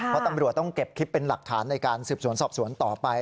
เพราะตำรวจต้องเก็บคลิปเป็นหลักฐานในการสืบสวนสอบสวนต่อไป